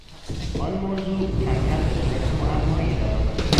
آن موضوع کمکم به صورت معمایی درآمد.